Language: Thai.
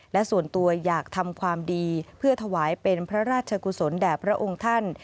และส่วนตัวอยากทำความดีเพื่อถวายเป็นพระราชกุศลแด่พระองค์ท่าน